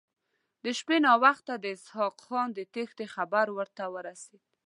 د شپې ناوخته د اسحق خان د تېښتې خبر ورته ورسېد.